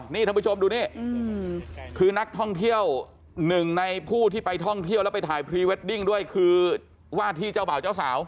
นี่ท่านผู้ชมดูนี่คือนักท่องเที่ยวหนึ่งในผู้ที่ไปท่องเที่ยวแล้วไปถ่ายพรีเวดดิ้งด้วยคือว่าที่เจ้าบ่าวเจ้าสาว